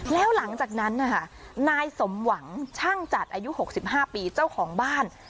แล้วหลังจากนั้นนะคะนายสมหวังช่างจัดอายุ๖๕ปีเจ้าของบ้าน